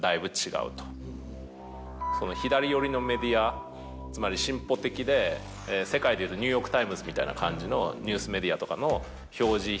左寄りのメディアつまり進歩的で世界でいうと『ニューヨーク・タイムズ』みたいな感じのニュースメディアとかの。